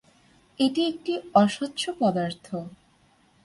এটি একটি অস্বচ্ছ পদার্থ।